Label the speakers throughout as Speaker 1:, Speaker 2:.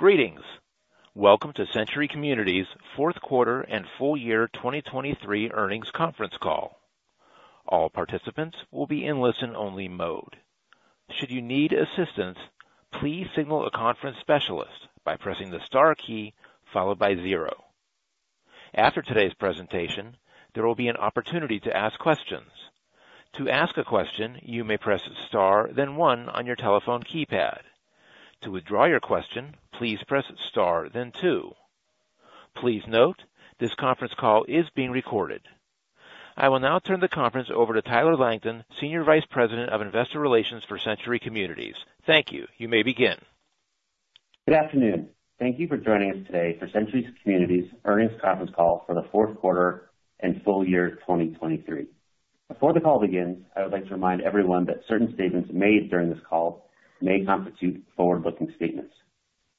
Speaker 1: Greetings! Welcome to Century Communities' Q4 and Full Year 2023 Earnings Conference Call. All participants will be in listen-only mode. Should you need assistance, please signal a conference specialist by pressing the star key followed by zero. After today's presentation, there will be an opportunity to ask questions. To ask a question, you may press star, then one on your telephone keypad. To withdraw your question, please press star, then two. Please note, this conference call is being recorded. I will now turn the conference over to Tyler Langton, Senior Vice President of Investor Relations for Century Communities. Thank you. You may begin.
Speaker 2: Good afternoon. Thank you for joining us today for Century Communities' earnings conference call for the Q4 and full year 2023. Before the call begins, I would like to remind everyone that certain statements made during this call may constitute forward-looking statements.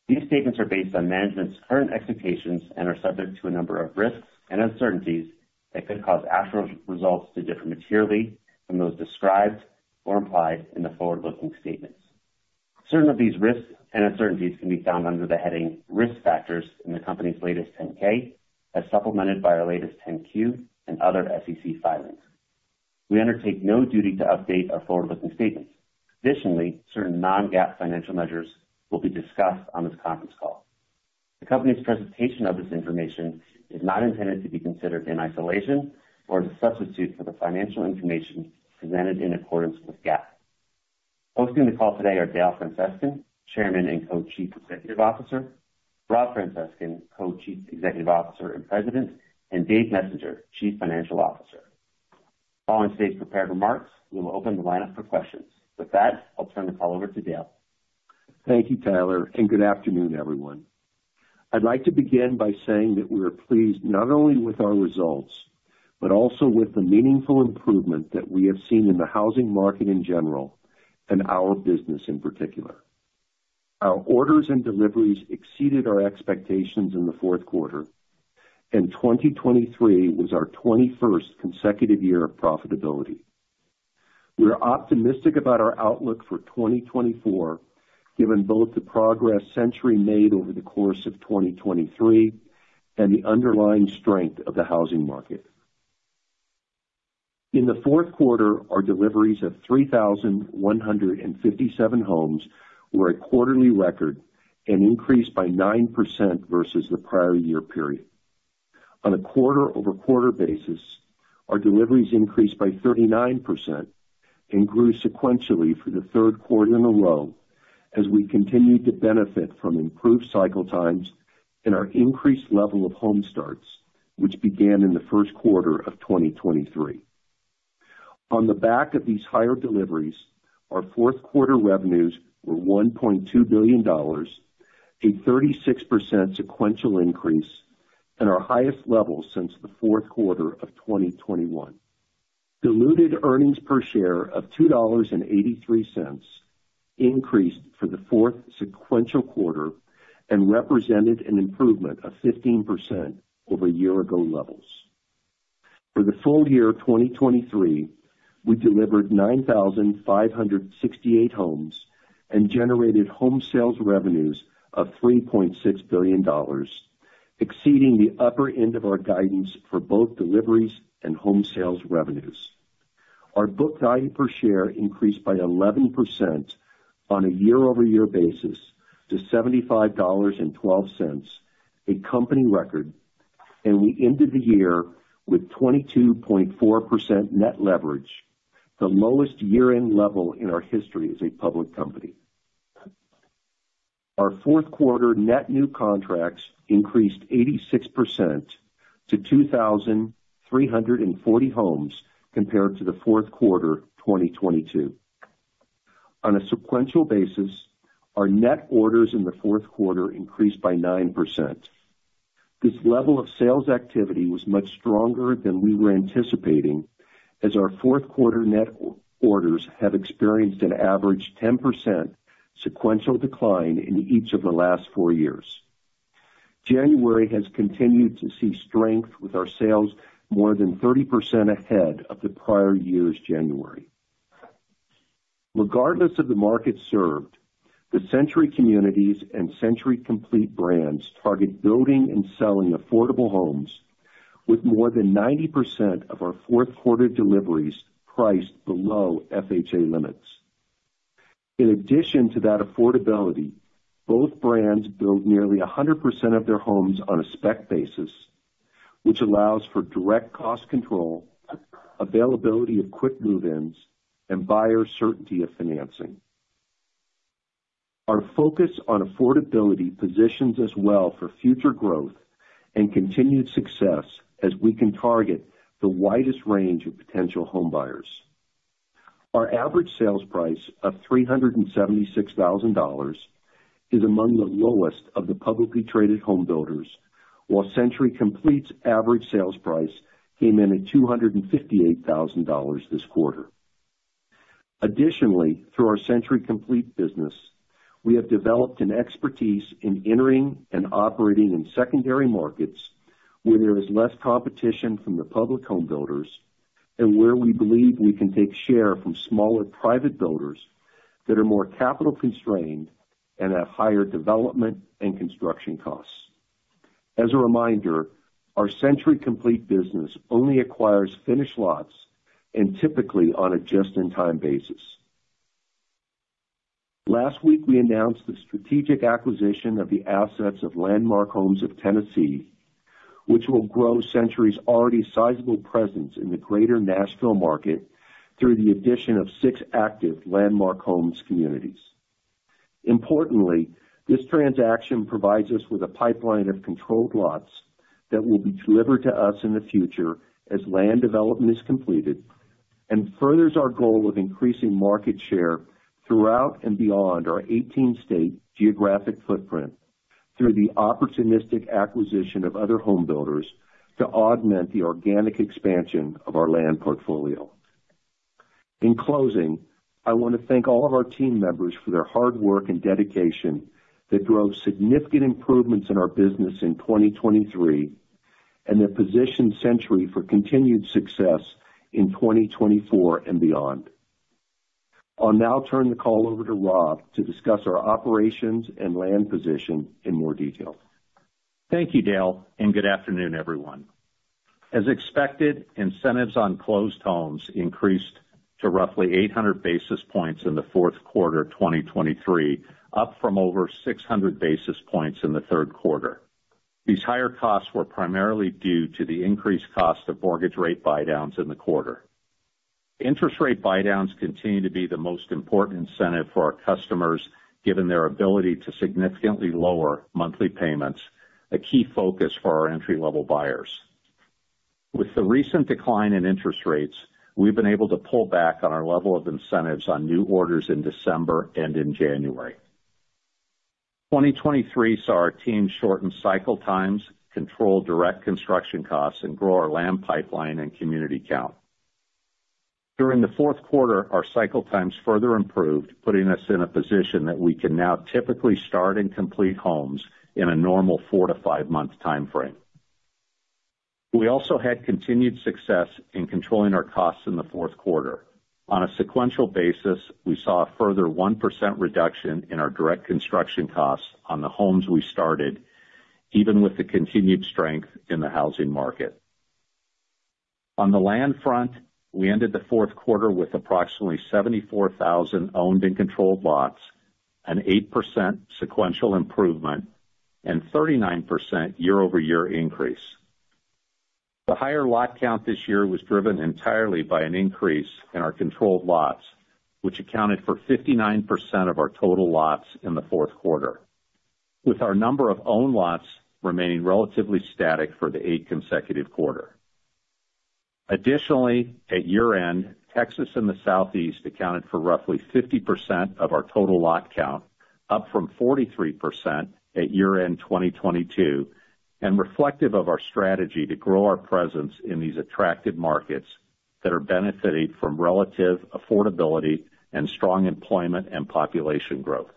Speaker 2: These statements are based on management's current expectations and are subject to a number of risks and uncertainties that could cause actual results to differ materially from those described or implied in the forward-looking statements. Certain of these risks and uncertainties can be found under the heading Risk Factors in the company's latest 10-K, as supplemented by our latest 10-Q and other SEC filings. We undertake no duty to update our forward-looking statements. Additionally, certain non-GAAP financial measures will be discussed on this conference call. The company's presentation of this information is not intended to be considered in isolation or as a substitute for the financial information presented in accordance with GAAP. Hosting the call today are Dale Francescon, Chairman and Co-Chief Executive Officer, Rob Francescon, Co-Chief Executive Officer and President, and Dave Messenger, Chief Financial Officer. Following today's prepared remarks, we will open the line up for questions. With that, I'll turn the call over to Dale.
Speaker 3: Thank you, Tyler, and good afternoon, everyone. I'd like to begin by saying that we are pleased not only with our results, but also with the meaningful improvement that we have seen in the housing market in general and our business in particular. Our orders and deliveries exceeded our expectations in the Q4, and 2023 was our 21st consecutive year of profitability. We are optimistic about our outlook for 2024, given both the progress Century made over the course of 2023 and the underlying strength of the housing market. In the Q4, our deliveries of 3,157 homes were a quarterly record and increased by 9% versus the prior year period. On a quarter-over-quarter basis, our deliveries increased by 39% and grew sequentially for the third quarter in a row as we continued to benefit from improved cycle times and our increased level of home starts, which began in the Q1 of 2023. On the back of these higher deliveries, our Q4 revenues were $1.2 billion, a 36% sequential increase, and our highest level since the Q4 of 2021. Diluted earnings per share of $2.83 increased for the fourth sequential quarter and represented an improvement of 15% over year-ago levels. For the full year of 2023, we delivered 9,568 homes and generated home sales revenues of $3.6 billion, exceeding the upper end of our guidance for both deliveries and home sales revenues. Our book value per share increased by 11% on a year-over-year basis to $75.12, a company record, and we ended the year with 22.4% net leverage, the lowest year-end level in our history as a public company. Our Q4 net new contracts increased 86% to 2,340 homes compared to the Q4 of 2022. On a sequential basis, our net orders in the Q4 increased by 9%. This level of sales activity was much stronger than we were anticipating, as our Q4 net orders have experienced an average 10% sequential decline in each of the last four years. January has continued to see strength with our sales more than 30% ahead of the prior year's January. Regardless of the market served, the Century Communities and Century Complete brands target building and selling affordable homes with more than 90% of our Q4 deliveries priced below FHA limits. In addition to that affordability, both brands build nearly 100% of their homes on a spec basis, which allows for direct cost control, availability of quick move-ins, and buyer certainty of financing. Our focus on affordability positions us well for future growth and continued success as we can target the widest range of potential home buyers. Our average sales price of $376,000 is among the lowest of the publicly traded home builders, while Century Complete's average sales price came in at $258,000 this quarter. Additionally, through our Century Complete business, we have developed an expertise in entering and operating in secondary markets where there is less competition from the public home builders-... where we believe we can take share from smaller private builders that are more capital-constrained and have higher development and construction costs. As a reminder, our Century Complete business only acquires finished lots and typically on a just-in-time basis. Last week, we announced the strategic acquisition of the assets of Landmark Homes of Tennessee, which will grow Century's already sizable presence in the greater Nashville market through the addition of 6 active Landmark Homes communities. Importantly, this transaction provides us with a pipeline of controlled lots that will be delivered to us in the future as land development is completed, and furthers our goal of increasing market share throughout and beyond our 18-state geographic footprint through the opportunistic acquisition of other home builders to augment the organic expansion of our land portfolio. In closing, I want to thank all of our team members for their hard work and dedication that drove significant improvements in our business in 2023, and that positioned Century for continued success in 2024 and beyond. I'll now turn the call over to Rob to discuss our operations and land position in more detail.
Speaker 4: Thank you, Dale, and good afternoon, everyone. As expected, incentives on closed homes increased to roughly 800 basis points in the Q4 of 2023, up from over 600 basis points in the third quarter. These higher costs were primarily due to the increased cost of mortgage rate buydowns in the quarter. Interest rate buydowns continue to be the most important incentive for our customers, given their ability to significantly lower monthly payments, a key focus for our entry-level buyers. With the recent decline in interest rates, we've been able to pull back on our level of incentives on new orders in December and in January. 2023 saw our team shorten cycle times, control direct construction costs, and grow our land pipeline and community count. During the Q4, our cycle times further improved, putting us in a position that we can now typically start and complete homes in a normal 4-5-month time frame. We also had continued success in controlling our costs in the Q4. On a sequential basis, we saw a further 1% reduction in our direct construction costs on the homes we started, even with the continued strength in the housing market. On the land front, we ended the Q4 with approximately 74,000 owned and controlled lots, an 8% sequential improvement and 39% year-over-year increase. The higher lot count this year was driven entirely by an increase in our controlled lots, which accounted for 59% of our total lots in the Q4, with our number of owned lots remaining relatively static for the eighth consecutive quarter. Additionally, at year-end, Texas and the Southeast accounted for roughly 50% of our total lot count, up from 43% at year-end 2022, and reflective of our strategy to grow our presence in these attractive markets that are benefiting from relative affordability and strong employment and population growth.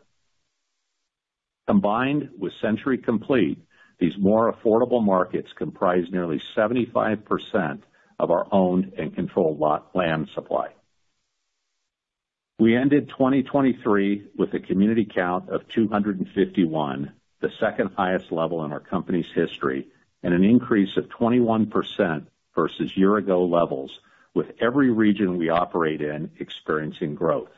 Speaker 4: Combined with Century Complete, these more affordable markets comprise nearly 75% of our owned and controlled lot land supply. We ended 2023 with a community count of 251, the second-highest level in our company's history, and an increase of 21% versus year-ago levels, with every region we operate in experiencing growth.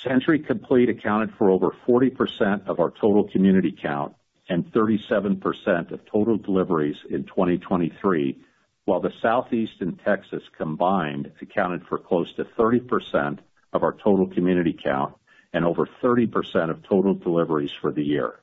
Speaker 4: Century Complete accounted for over 40% of our total community count and 37% of total deliveries in 2023, while the Southeast and Texas combined accounted for close to 30% of our total community count and over 30% of total deliveries for the year.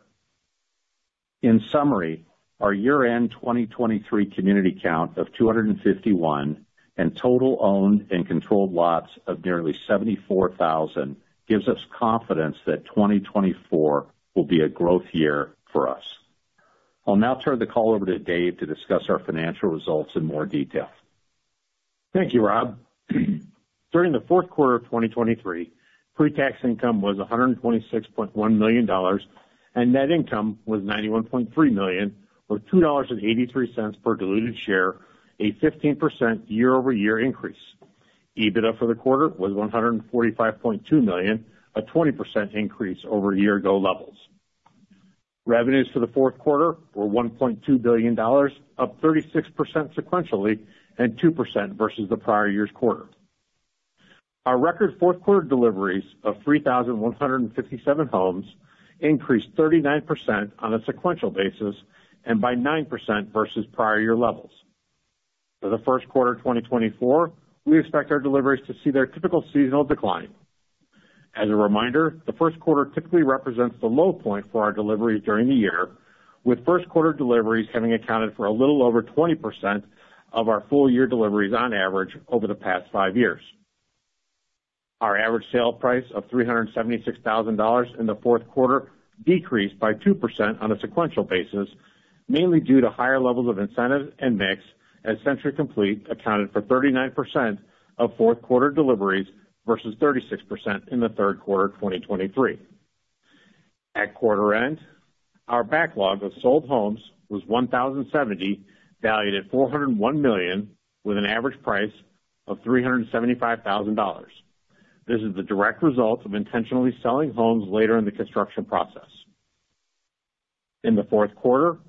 Speaker 4: In summary, our year-end 2023 community count of 251 and total owned and controlled lots of nearly 74,000 gives us confidence that 2024 will be a growth year for us. I'll now turn the call over to Dave to discuss our financial results in more detail.
Speaker 5: Thank you, Rob. During the Q4 of 2023, pre-tax income was $126.1 million, and net income was $91.3 million, or $2.83 per diluted share, a 15% year-over-year increase. EBITDA for the quarter was $145.2 million, a 20% increase over year-ago levels. Revenues for the Q4 were $1.2 billion, up 36% sequentially, and 2% versus the prior year's quarter. Our record fourth quarter deliveries of 3,157 homes increased 39% on a sequential basis and by 9% versus prior year levels. For the Q1 2024, we expect our deliveries to see their typical seasonal decline. As a reminder, the Q1 typically represents the low point for our deliveries during the year, with Q1 deliveries having accounted for a little over 20% of our full-year deliveries on average over the past 5 years. Our average sale price of $376,000 in the Q4 decreased by 2% on a sequential basis, mainly due to higher levels of incentive and mix, as Century Complete accounted for 39% of Q4 deliveries versus 36% in the third quarter of 2023. At quarter end, our backlog of sold homes was 1,070, valued at $401 million, with an average price of $375,000. This is the direct result of intentionally selling homes later in the construction process. In the Q4,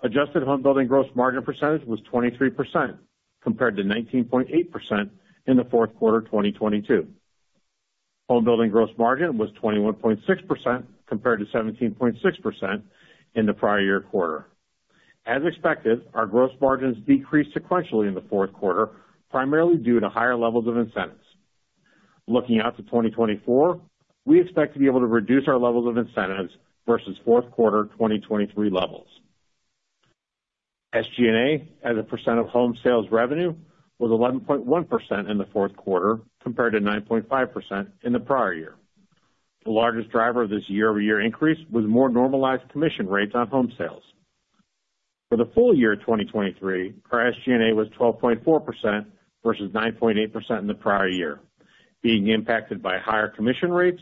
Speaker 5: adjusted homebuilding gross margin percentage was 23%, compared to 19.8% in the Q4 of 2022. Homebuilding gross margin was 21.6% compared to 17.6% in the prior year quarter. As expected, our gross margins decreased sequentially in the Q4, primarily due to higher levels of incentives. Looking out to 2024, we expect to be able to reduce our levels of incentives versus Q4 2023 levels. SG&A, as a percent of home sales revenue, was 11.1% in the Q4, compared to 9.5% in the prior year. The largest driver of this year-over-year increase was more normalized commission rates on home sales. For the full year 2023, our SG&A was 12.4% versus 9.8% in the prior year, being impacted by higher commission rates,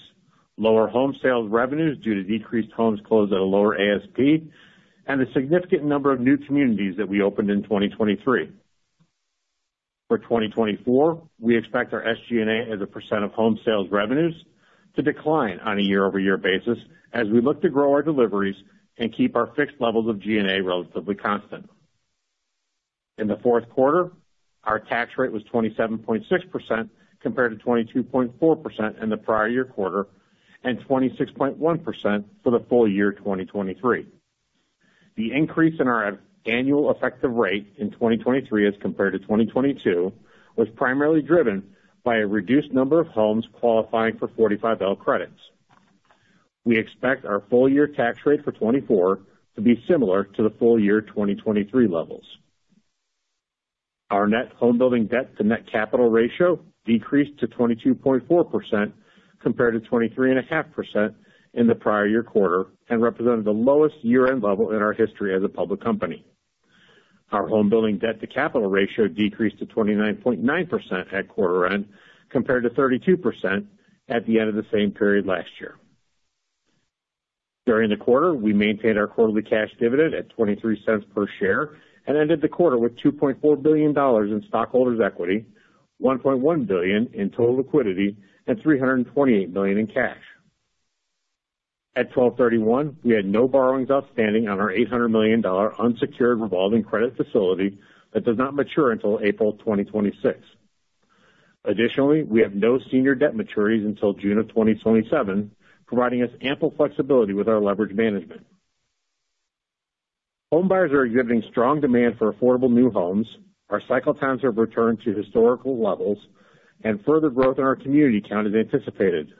Speaker 5: lower home sales revenues due to decreased homes closed at a lower ASP, and a significant number of new communities that we opened in 2023. For 2024, we expect our SG&A as a percent of home sales revenues to decline on a year-over-year basis as we look to grow our deliveries and keep our fixed levels of G&A relatively constant. In the Q4, our tax rate was 27.6%, compared to 22.4% in the prior year quarter, and 26.1% for the full year 2023. The increase in our annual effective rate in 2023 as compared to 2022, was primarily driven by a reduced number of homes qualifying for 45L credits. We expect our full year tax rate for 2024 to be similar to the full year 2023 levels. Our net home building debt to net capital ratio decreased to 22.4% compared to 23.5% in the prior year quarter, and represented the lowest year-end level in our history as a public company. Our home building debt to capital ratio decreased to 29.9% at quarter end, compared to 32% at the end of the same period last year. During the quarter, we maintained our quarterly cash dividend at $0.23 per share and ended the quarter with $2.4 billion in stockholders' equity, $1.1 billion in total liquidity, and $328 million in cash. At 12/31, we had no borrowings outstanding on our $800 million unsecured revolving credit facility that does not mature until April 2026. Additionally, we have no senior debt maturities until June of 2027, providing us ample flexibility with our leverage management. Home buyers are exhibiting strong demand for affordable new homes, our cycle times have returned to historical levels, and further growth in our community count is anticipated.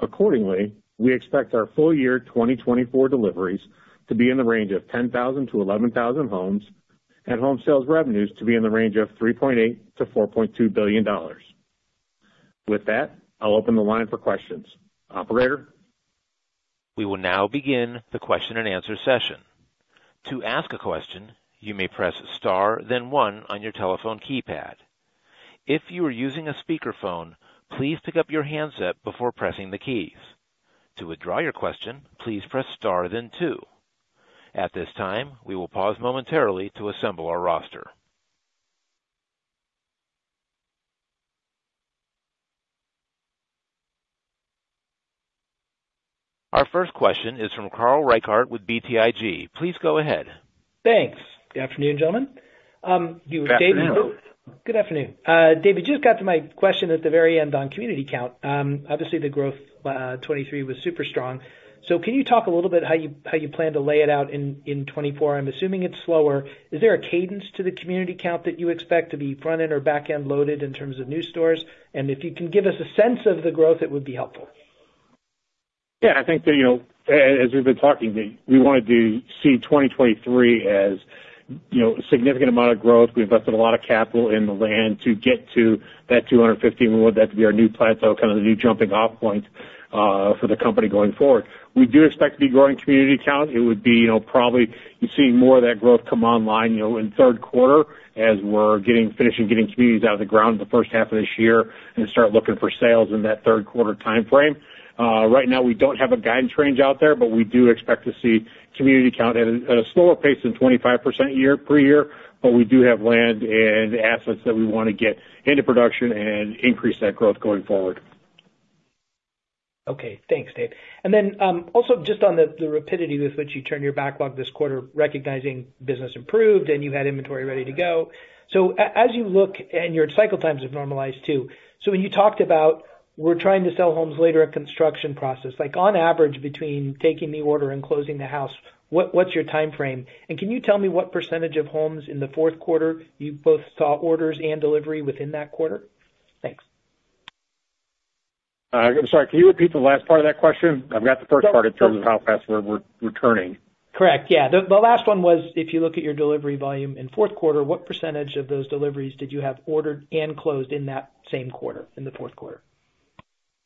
Speaker 5: Accordingly, we expect our full year 2024 deliveries to be in the range of 10,000-11,000 homes, and home sales revenues to be in the range of $3.8 billion-$4.2 billion. With that, I'll open the line for questions. Operator?
Speaker 1: We will now begin the question-and-answer session. To ask a question, you may press star, then one on your telephone keypad. If you are using a speakerphone, please pick up your handset before pressing the keys. To withdraw your question, please press star then two. At this time, we will pause momentarily to assemble our roster. Our first question is from Carl Reichardt with BTIG. Please go ahead.
Speaker 6: Thanks. Good afternoon, gentlemen.
Speaker 5: Good afternoon.
Speaker 6: Good afternoon. David, just got to my question at the very end on community count. Obviously, the growth, 2023 was super strong. So can you talk a little bit how you, how you plan to lay it out in, in 2024? I'm assuming it's slower. Is there a cadence to the community count that you expect to be front-end or back-end loaded in terms of new stores? And if you can give us a sense of the growth, it would be helpful.
Speaker 5: Yeah, I think that, you know, as we've been talking, we wanted to see 2023 as, you know, a significant amount of growth. We invested a lot of capital in the land to get to that 250, and we want that to be our new plateau, kind of the new jumping off point for the company going forward. We do expect to be growing community count. It would be, you know, probably you'd see more of that growth come online, you know, in Q3 as we're finishing getting communities out of the ground in the first half of this year and start looking for sales in that Q3 timeframe. Right now, we don't have a guidance range out there, but we do expect to see community count at a slower pace than 25% year-over-year, but we do have land and assets that we wanna get into production and increase that growth going forward.
Speaker 6: Okay. Thanks, Dave. And then, also just on the rapidity with which you turned your backlog this quarter, recognizing business improved and you had inventory ready to go. So as you look... And your cycle times have normalized, too. So when you talked about we're trying to sell homes later in construction process, like on average, between taking the order and closing the house, what's your timeframe? And can you tell me what percentage of homes in the Q4 you both saw orders and delivery within that quarter? Thanks.
Speaker 5: I'm sorry, can you repeat the last part of that question? I've got the first part in terms of how fast we're returning.
Speaker 6: Correct. Yeah. The last one was, if you look at your delivery volume in Q4, what percentage of those deliveries did you have ordered and closed in that same quarter, in the Q4?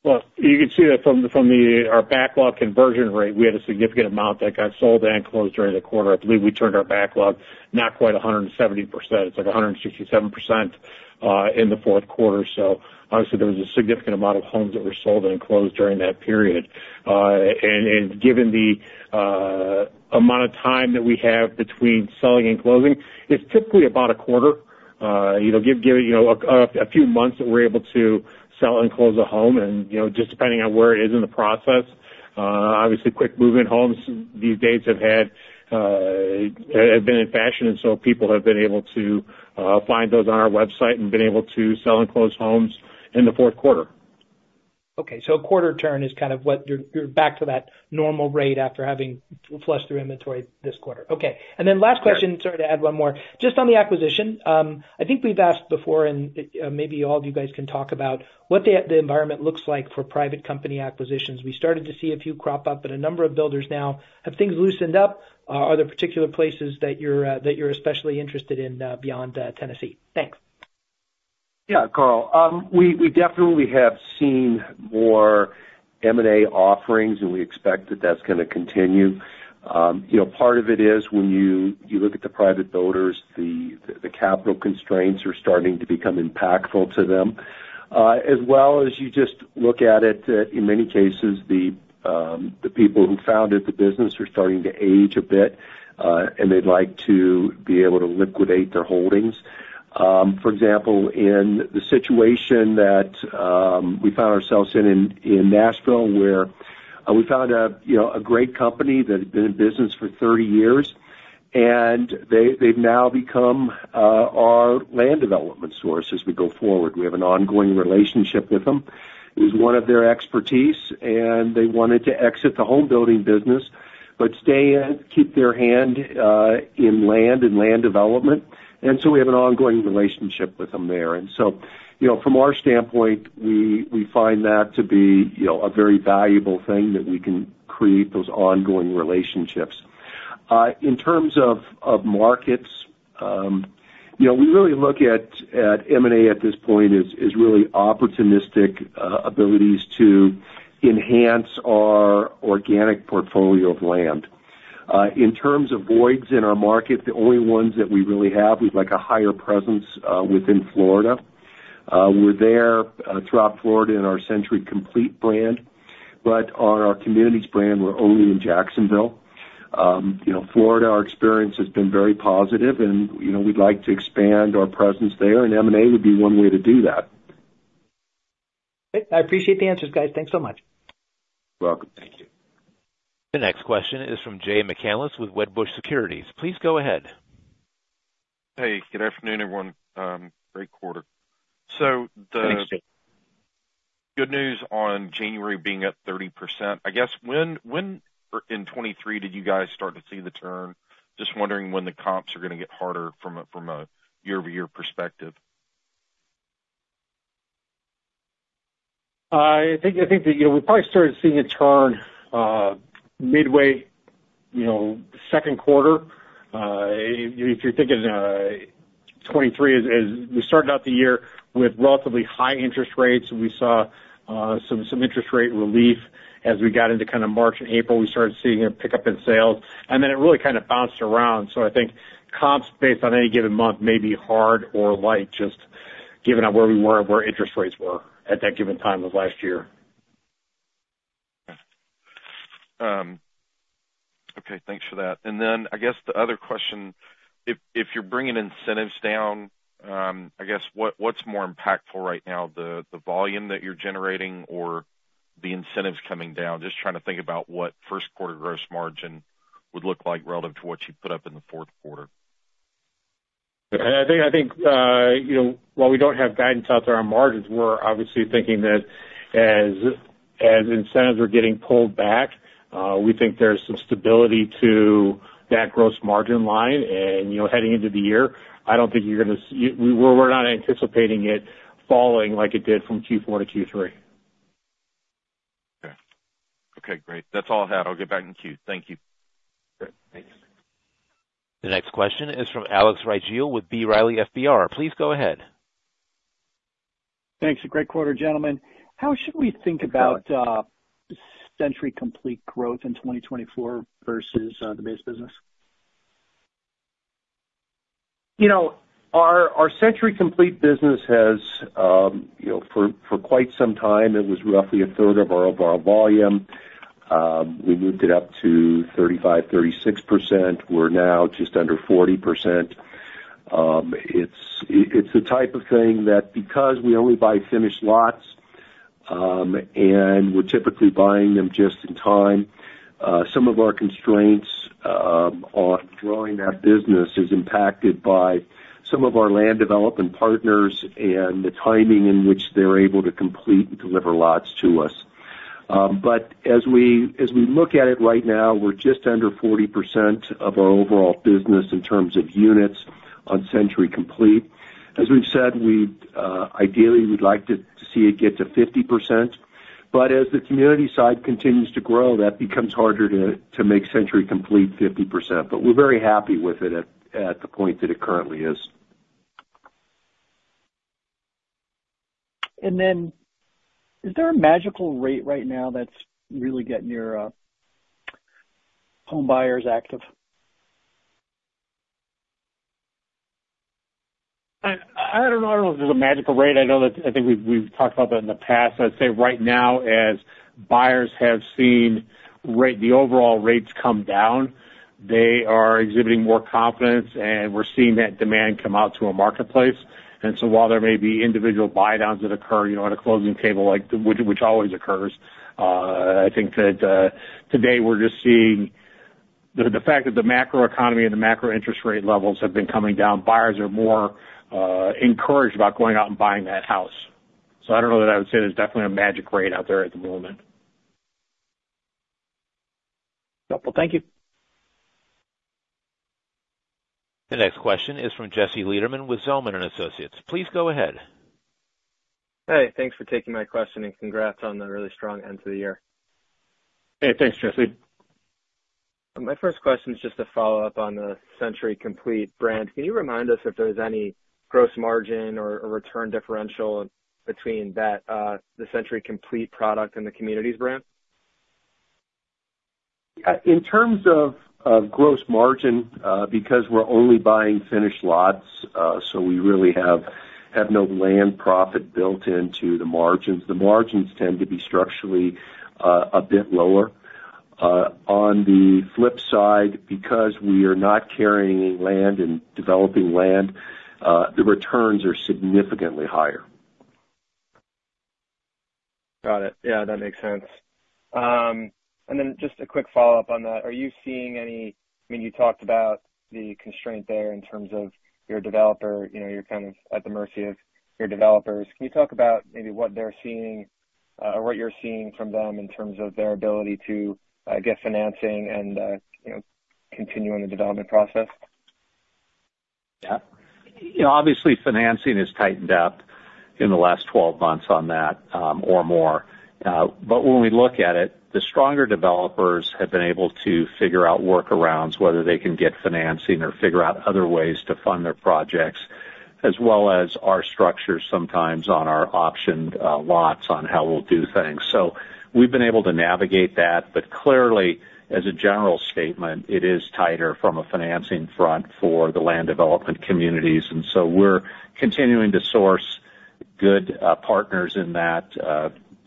Speaker 3: Well, you can see that from our backlog conversion rate, we had a significant amount that got sold and closed during the quarter. I believe we turned our backlog, not quite 170%. It's like 167%, in the Q4. So obviously, there was a significant amount of homes that were sold and closed during that period. And given the amount of time that we have between selling and closing, it's typically about a quarter. You know, a few months that we're able to sell and close a home, and, you know, just depending on where it is in the process. Obviously, quick move-in homes these days have been in fashion, and so people have been able to find those on our website and been able to sell and close homes in the Q4.
Speaker 6: Okay, so a quarter turn is kind of what you're back to that normal rate after having flushed through inventory this quarter. Okay. And then last question, sorry to add one more. Just on the acquisition, I think we've asked before, and maybe all of you guys can talk about what the environment looks like for private company acquisitions. We started to see a few crop up, but a number of builders now have things loosened up? Are there particular places that you're especially interested in, beyond Tennessee? Thanks.
Speaker 3: Yeah, Carl. We definitely have seen more M&A offerings, and we expect that that's gonna continue. You know, part of it is when you look at the private builders, the capital constraints are starting to become impactful to them. As well as you just look at it, that in many cases, the people who founded the business are starting to age a bit, and they'd like to be able to liquidate their holdings. For example, in the situation that we found ourselves in, in Nashville, where we found a, you know, a great company that had been in business for 30 years, and they, they've now become our land development source as we go forward. We have an ongoing relationship with them. It was one of their expertise, and they wanted to exit the home building business but stay and keep their hand in land and land development. And so we have an ongoing relationship with them there. And so, you know, from our standpoint, we find that to be, you know, a very valuable thing, that we can create those ongoing relationships. In terms of markets, you know, we really look at M&A at this point, as really opportunistic abilities to enhance our organic portfolio of land. In terms of voids in our market, the only ones that we really have, we'd like a higher presence within Florida. We're there throughout Florida in our Century Complete brand, but on our Communities brand, we're only in Jacksonville. You know, Florida, our experience has been very positive, and, you know, we'd like to expand our presence there, and M&A would be one way to do that.
Speaker 6: Great. I appreciate the answers, guys. Thanks so much.
Speaker 3: You're welcome. Thank you.
Speaker 1: The next question is from Jay McCanless with Wedbush Securities. Please go ahead.
Speaker 7: Hey, good afternoon, everyone. Great quarter.
Speaker 3: Thanks, Jay.
Speaker 7: The good news on January being up 30%, I guess, when in 2023 did you guys start to see the turn? Just wondering when the comps are gonna get harder from a year-over-year perspective.
Speaker 3: I think, I think that, you know, we probably started seeing a turn, midway, you know, Q2. If you're thinking, 2023 is we started out the year with relatively high interest rates. We saw some interest rate relief as we got into kind of March and April. We started seeing a pickup in sales, and then it really kind of bounced around. So I think comps, based on any given month, may be hard or light, just given on where we were and where interest rates were at that given time of last year.
Speaker 7: Okay, thanks for that. And then I guess the other question, if you're bringing incentives down, I guess, what's more impactful right now, the volume that you're generating or the incentives coming down? Just trying to think about what Q1 gross margin would look like relative to what you put up in the Q4.
Speaker 3: And I think, you know, while we don't have guidance out there on margins, we're obviously thinking that as incentives are getting pulled back, we think there's some stability to that gross margin line. And, you know, heading into the year, I don't think we're not anticipating it falling like it did from Q4 to Q3.
Speaker 7: Okay. Okay, great. That's all I had. I'll get back in queue. Thank you.
Speaker 3: Great. Thanks.
Speaker 1: The next question is from Alex Rygiel with B. Riley FBR. Please go ahead.
Speaker 8: Thanks. A great quarter, gentlemen. How should we think about, Century Complete growth in 2024 versus, the base business?
Speaker 3: You know, our Century Complete business has, you know, for quite some time, it was roughly a third of our volume. We moved it up to 35%-36%. We're now just under 40%. It's the type of thing that because we only buy finished lots, and we're typically buying them just in time, some of our constraints on growing that business is impacted by some of our land development partners and the timing in which they're able to complete and deliver lots to us. But as we look at it right now, we're just under 40% of our overall business in terms of units on Century Complete. As we've said, we'd ideally like to see it get to 50%, but as the community side continues to grow, that becomes harder to make Century Complete 50%. But we're very happy with it at the point that it currently is.
Speaker 8: And then, is there a magical rate right now that's really getting your home buyers active?
Speaker 5: I don't know if there's a magical rate. I know that I think we've talked about that in the past. I'd say right now, as buyers have seen rate, the overall rates come down, they are exhibiting more confidence, and we're seeing that demand come out to a marketplace. And so while there may be individual buydowns that occur, you know, on a closing table, like, which always occurs, I think that today we're just seeing the fact that the macro economy and the macro interest rate levels have been coming down, buyers are more encouraged about going out and buying that house. So I don't know that I would say there's definitely a magic rate out there at the moment.
Speaker 8: Well, thank you.
Speaker 1: The next question is from Jesse Lederman with Zelman & Associates. Please go ahead.
Speaker 9: Hey, thanks for taking my question, and congrats on the really strong end to the year.
Speaker 5: Hey, thanks, Jesse.
Speaker 9: My first question is just a follow-up on the Century Complete brand. Can you remind us if there's any gross margin or return differential between that, the Century Complete product and the Communities brand?
Speaker 5: In terms of gross margin, because we're only buying finished lots, so we really have no land profit built into the margins. The margins tend to be structurally a bit lower. On the flip side, because we are not carrying land and developing land, the returns are significantly higher.
Speaker 9: Got it. Yeah, that makes sense. And then just a quick follow-up on that. Are you seeing any... I mean, you talked about the constraint there in terms of your developer, you know, you're kind of at the mercy of your developers. Can you talk about maybe what they're seeing, or what you're seeing from them in terms of their ability to, I guess, financing and, you know, continuing the development process?
Speaker 5: Yeah.
Speaker 4: You know, obviously, financing has tightened up in the last 12 months on that, or more. But when we look at it, the stronger developers have been able to figure out workarounds, whether they can get financing or figure out other ways to fund their projects, as well as our structure sometimes on our optioned lots on how we'll do things. So we've been able to navigate that, but clearly, as a general statement, it is tighter from a financing front for the land development communities, and so we're continuing to source good partners in that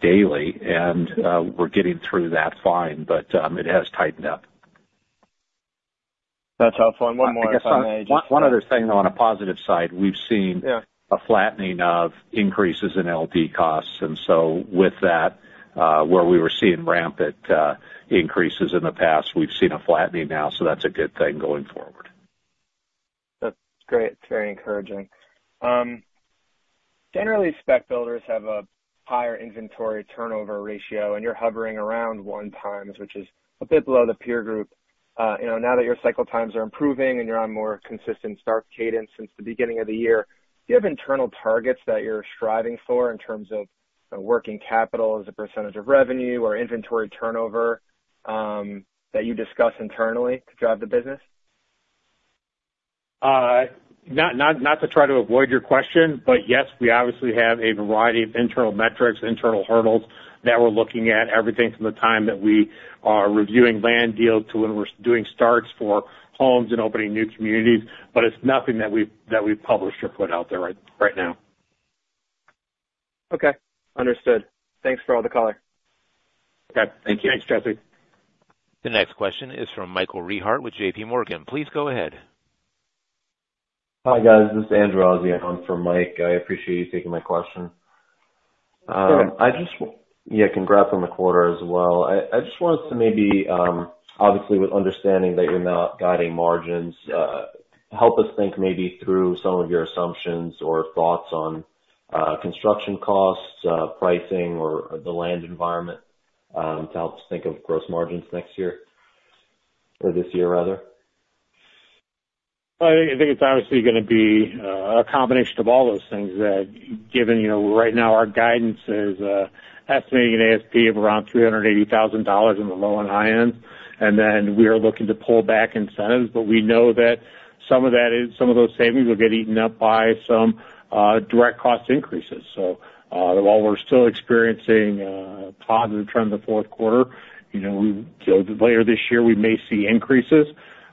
Speaker 4: daily, and we're getting through that fine, but it has tightened up.
Speaker 9: That's helpful. One more, if I may just-
Speaker 4: One other thing, though, on a positive side, we've seen-
Speaker 9: Yeah
Speaker 4: A flattening of increases in L.D. costs, and so with that, where we were seeing rampant increases in the past, we've seen a flattening now, so that's a good thing going forward.
Speaker 9: That's great. It's very encouraging. Generally, spec builders have a higher inventory turnover ratio, and you're hovering around 1 times, which is a bit below the peer group. You know, now that your cycle times are improving and you're on more consistent start cadence since the beginning of the year, do you have internal targets that you're striving for in terms of working capital as a percentage of revenue or inventory turnover, that you discuss internally to drive the business?
Speaker 5: Not to try to avoid your question, but yes, we obviously have a variety of internal metrics, internal hurdles that we're looking at, everything from the time that we are reviewing land deals to when we're doing starts for homes and opening new communities, but it's nothing that we've published or put out there right now.
Speaker 9: Okay, understood. Thanks for all the color.
Speaker 5: Okay. Thank you.
Speaker 4: Thanks, Jesse.
Speaker 1: The next question is from Michael Rehaut with JP Morgan. Please go ahead.
Speaker 10: Hi, guys. This is Andrew Azzi on for Mike. I appreciate you taking my question.
Speaker 5: Sure.
Speaker 10: I just... Yeah, congrats on the quarter as well. I just wanted to maybe, obviously, with understanding that you're not guiding margins, help us think maybe through some of your assumptions or thoughts on, construction costs, pricing or the land environment, to help us think of gross margins next year, or this year, rather.
Speaker 5: I think it's obviously gonna be a combination of all those things that given, you know, right now our guidance is estimating an ASP of around $380,000 in the low and high end, and then we are looking to pull back incentives. But we know that some of that is, some of those savings will get eaten up by some direct cost increases. So while we're still experiencing positive trends in the Q4, you know, we later this year, we may see increases.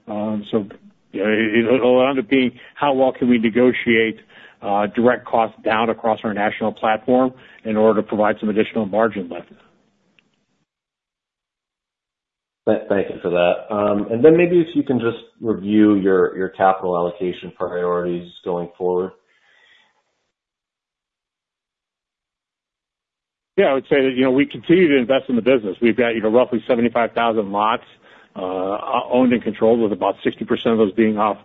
Speaker 5: So it'll end up being, how well can we negotiate direct costs down across our national platform in order to provide some additional margin lifted?
Speaker 10: Thank you for that. And then maybe if you can just review your capital allocation priorities going forward.
Speaker 5: Yeah, I would say that, you know, we continue to invest in the business. We've got, you know, roughly 75,000 lots owned and controlled, with about 60% of those being off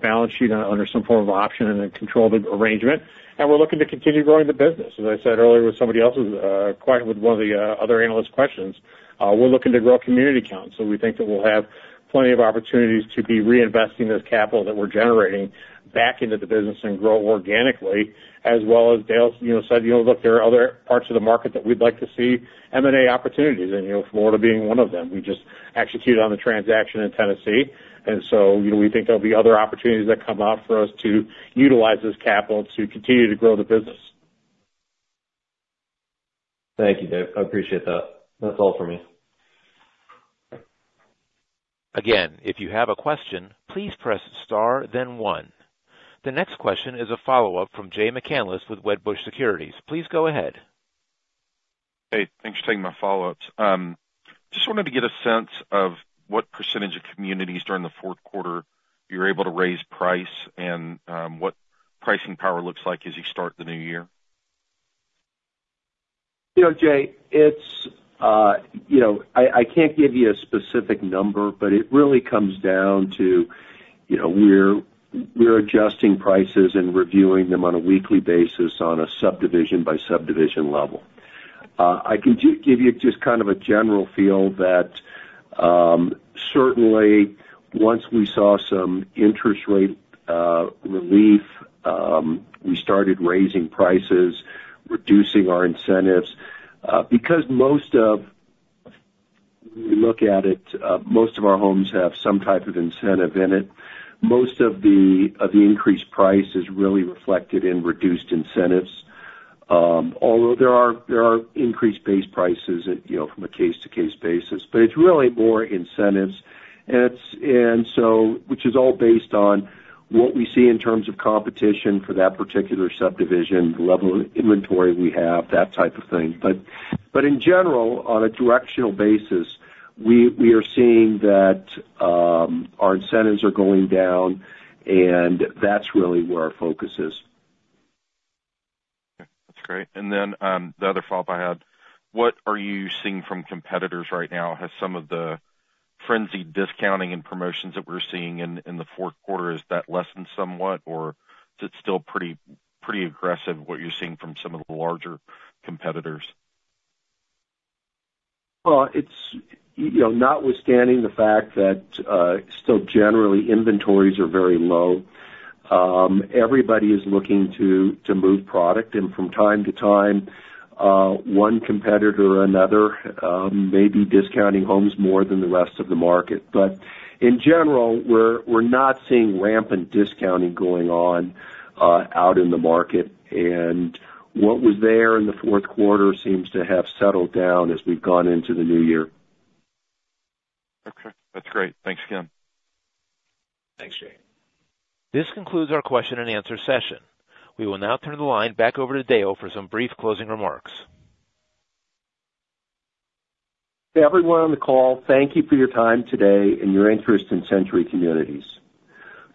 Speaker 5: balance sheet under some form of option and a controlled arrangement. And we're looking to continue growing the business. As I said earlier, with somebody else's quite with one of the other analyst questions, we're looking to grow community count, so we think that we'll have plenty of opportunities to be reinvesting this capital that we're generating back into the business and grow organically, as well as Dale, you know, said, you know, look, there are other parts of the market that we'd like to see M&A opportunities and, you know, Florida being one of them. We just executed on the transaction in Tennessee, and so, you know, we think there'll be other opportunities that come up for us to utilize this capital to continue to grow the business.
Speaker 3: Thank you, Dave. I appreciate that. That's all for me.
Speaker 1: Again, if you have a question, please press star, then one. The next question is a follow-up from Jay McCanless with Wedbush Securities. Please go ahead.
Speaker 7: Hey, thanks for taking my follow-ups. Just wanted to get a sense of what percentage of communities during the Q4 you're able to raise price and what pricing power looks like as you start the new year.
Speaker 3: You know, Jay, it's you know, I can't give you a specific number, but it really comes down to, you know, we're adjusting prices and reviewing them on a weekly basis on a subdivision by subdivision level. I can give you just kind of a general feel that certainly once we saw some interest rate relief we started raising prices, reducing our incentives because most of we look at it most of our homes have some type of incentive in it. Most of the increased price is really reflected in reduced incentives although there are increased base prices, you know, from a case-to-case basis, but it's really more incentives. And it's... And so, which is all based on what we see in terms of competition for that particular subdivision, the level of inventory we have, that type of thing. But in general, on a directional basis, we are seeing that, our incentives are going down, and that's really where our focus is.
Speaker 7: Okay, that's great. And then, the other follow-up I had, what are you seeing from competitors right now? Has some of the frenzy, discounting, and promotions that we're seeing in the Q4, has that lessened somewhat, or is it still pretty, pretty aggressive, what you're seeing from some of the larger competitors?
Speaker 3: Well, it's, you know, notwithstanding the fact that still generally inventories are very low, everybody is looking to move product, and from time to time, one competitor or another may be discounting homes more than the rest of the market. But in general, we're not seeing rampant discounting going on out in the market. And what was there in the Q4 seems to have settled down as we've gone into the new year.
Speaker 7: Okay. That's great. Thanks again.
Speaker 3: Thanks, Jay.
Speaker 1: This concludes our question and answer session. We will now turn the line back over to Dale for some brief closing remarks.
Speaker 3: To everyone on the call, thank you for your time today and your interest in Century Communities.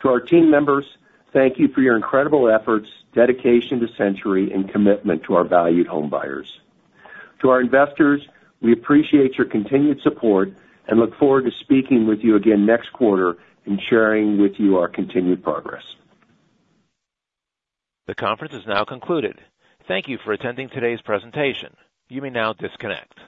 Speaker 3: To our team members, thank you for your incredible efforts, dedication to Century, and commitment to our valued homebuyers. To our investors, we appreciate your continued support and look forward to speaking with you again next quarter and sharing with you our continued progress.
Speaker 1: The conference is now concluded. Thank you for attending today's presentation. You may now disconnect.